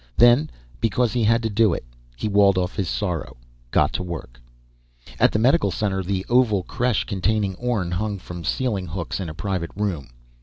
Then, because he had to do it, he walled off his sorrow, got to work. At the medical center, the oval creche containing Orne hung from ceiling hooks in a private room.